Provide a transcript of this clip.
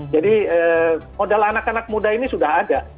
jadi modal anak anak muda ini sudah ada